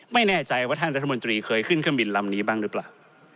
ไม่แน่ใจว่าท่านรัฐมนตรีเคยขึ้นเครื่องบินลำนี้บ้างหรือเปล่า